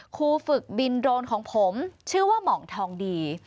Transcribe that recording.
ครูฝึกบินโดรนของผมชื่อว่าหม่องทองดี